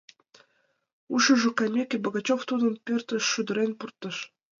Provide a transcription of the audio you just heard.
Ушыжо каймеке, Богачев тудым пӧртыш шӱдырен пуртыш.